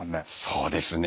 そうですね。